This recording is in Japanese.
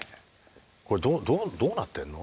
「これどうなってんの？」